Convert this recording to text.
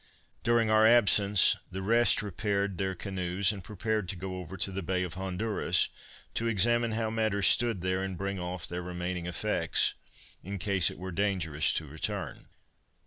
During our absence the rest repaired their canoes, and prepared to go over to the Bay of Honduras, to examine how matters stood there, and bring off their remaining effects, in case it were dangerous to return.